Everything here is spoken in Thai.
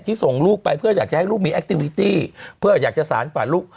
ส่งลูกไปเพื่ออยากจะให้ลูกมีแอคติวิตตี้เพื่ออยากจะสารฝันลูก